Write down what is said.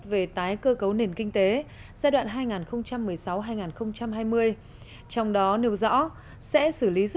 về tái cơ cấu nền kinh tế giai đoạn hai nghìn một mươi sáu hai nghìn hai mươi trong đó nêu rõ sẽ xử lý dự